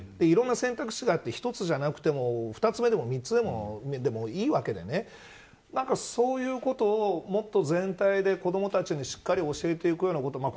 いろんな選択肢があって１つでなくても２つでも、３つでもいいわけでそういうことをもっと全体で子どもたちにしっかり教えていくようなこと。